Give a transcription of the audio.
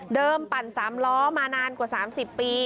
ปั่น๓ล้อมานานกว่า๓๐ปี